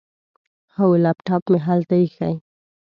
هو، لیپټاپ مې هلته ایښی.